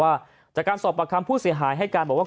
ว่าจากการสอบประคำผู้เสียหายให้การบอกว่า